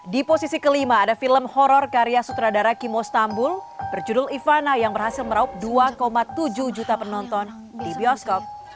di posisi kelima ada film horror karya sutradara kimo stambul berjudul ivana yang berhasil meraup dua tujuh juta penonton di bioskop